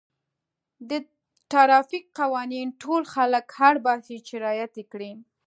د ټرافیک قوانین ټول خلک اړ باسي چې رعایت یې کړي.